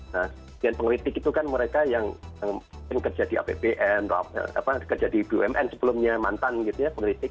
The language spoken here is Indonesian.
nah yang pengkritik itu kan mereka yang mungkin kerja di apbn kerja di bumn sebelumnya mantan gitu ya pengkritik